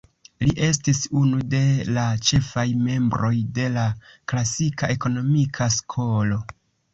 Li estis unu de la ĉefaj membroj de la Klasika ekonomika skolo.